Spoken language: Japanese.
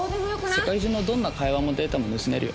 世界中のどんな会話もデータも盗めるよ